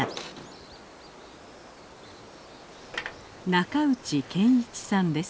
中内健一さんです。